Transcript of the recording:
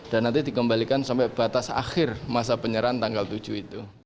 dan nanti dikembalikan sampai batas akhir masa penyerahan tanggal tujuh itu